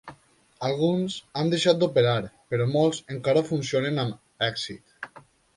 Alguns han deixat d'operar, però molts encara funcionen amb èxit.